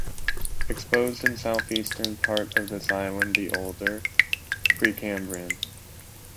Exposed in southeastern part of this island, the older Precambrian.